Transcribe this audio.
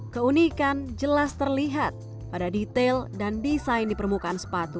keunikan jelas terlihat pada detail dan desain di permukaan sepatu